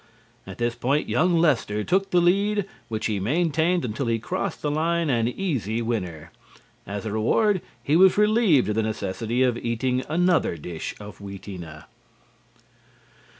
At this point, young Lester took the lead, which he maintained until he crossed the line an easy winner. As a reward he was relieved of the necessity of eating another dish of Wheatena.